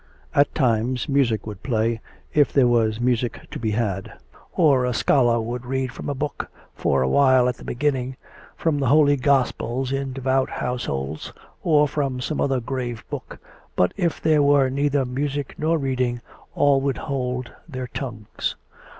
At times music would play, if there was music to be had; or a scholar would read from a book for awhile at the be ginning, from the holy gospels in devout households, or from some other grave book. But if there were neither music nor reading, all would hold their tongues.